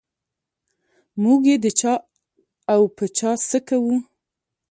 موږ یې د چا او په چا څه کوو.